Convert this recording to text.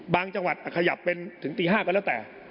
จังหวัดขยับเป็นถึงตี๕ก็แล้วแต่